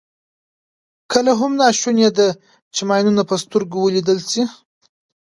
کله هم ناشونې ده چې ماینونه په سترګو ولیدل شي.